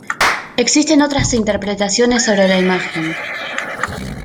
Existen otras interpretaciones sobre la imagen.